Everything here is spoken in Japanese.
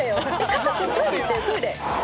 加トちゃんトイレ行ったよトイレ。